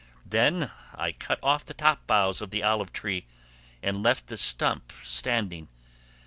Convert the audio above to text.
Then I cut off the top boughs of the olive tree and left the stump standing.